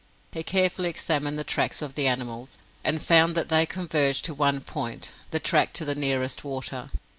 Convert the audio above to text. He carefully examined the tracks of the animals, and found that they converged to one point the track to the nearest water.